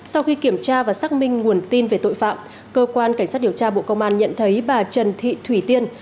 sau khi kiểm tra và xác minh nguồn tin về tội phạm cơ quan cảnh sát điều tra bộ công an nhận thấy bà trần thị thủy tiên